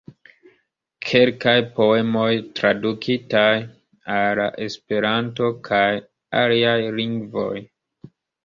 Kelkaj poemoj tradukitaj al Esperanto kaj aliaj lingvoj.